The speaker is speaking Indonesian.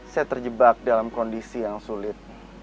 saya terjebak dalam kondisi yang sulit